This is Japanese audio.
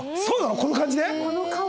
この感じで？